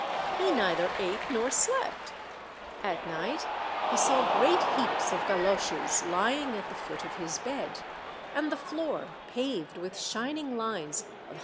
He nei ther ate nor slept. At night he saw great heaps of galoches lying at the foot of his bed, and the floor paved with shining lines of hundred sou 1 Bouchon.